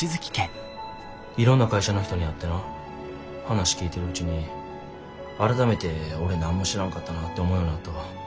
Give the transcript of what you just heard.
いろんな会社の人に会ってな話聞いてるうちに改めて俺何も知らんかったなって思うようになったわ。